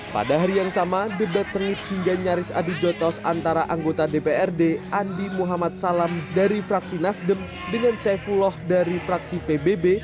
pada hari yang sama debat sengit hingga nyaris adu jotos antara anggota dprd andi muhammad salam dari fraksi nasdem dengan saifullah dari fraksi pbb